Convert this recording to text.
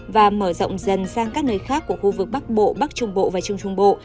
và mở rộng dần sang các nơi khác của khu vực bắc bộ bắc trung bộ và trung trung bộ